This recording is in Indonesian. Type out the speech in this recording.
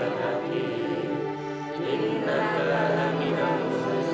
lelaki lelaki yang kerasa